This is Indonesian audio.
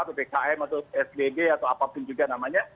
atau pkm atau psbb atau apapun juga namanya